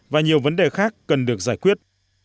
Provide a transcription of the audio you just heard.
và nhiều vấn đề khác cần được giải quyết